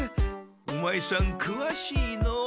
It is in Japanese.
オマエさんくわしいのう。